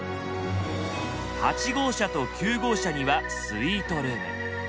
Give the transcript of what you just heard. ８号車と９号車にはスイートルーム。